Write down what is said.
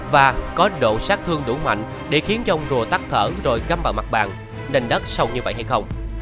và có độ sát thương đủ mạnh để khiến ông rùa tắc thở rồi găm vào mặt bàn đành đất sâu như vậy hay không